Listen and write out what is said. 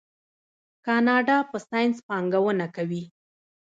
کاناډا په ساینس پانګونه کوي.